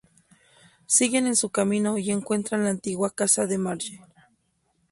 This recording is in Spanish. Siguen en su camino y encuentran la antigua casa de Marge.